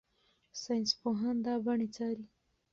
ساینسپوهان دا بڼې څاري.